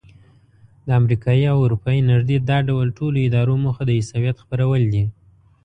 د امریکایي او اروپایي نږدې دا ډول ټولو ادارو موخه د عیسویت خپرول دي.